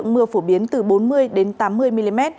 mưa phổ biến từ bốn mươi tám mươi mm